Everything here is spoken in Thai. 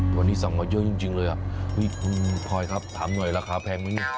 วันนี้สำหรับเยอะจริงเลยอ่ะพลอยครับถามหน่อยราคาแพงไหม